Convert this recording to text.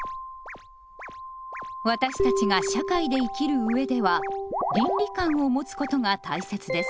私たちが社会で生きるうえでは倫理観を持つことが大切です。